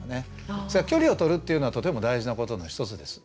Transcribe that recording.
距離を取るっていうのはとても大事なことの一つです。